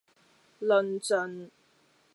論盡